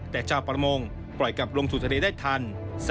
แต่ชาวประมงปล่อยกลับลงสู่ทะเลได้ทัน